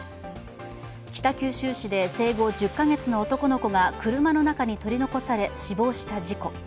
北九州市で生後１０か月の男の子が車の中に取り残され死亡した事故。